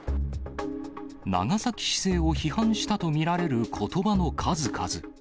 長崎市政を批判したと見られることばの数々。